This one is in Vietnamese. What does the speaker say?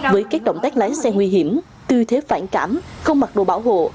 với các động tác lái xe nguy hiểm tư thế phản cảm không mặc đồ bảo hộ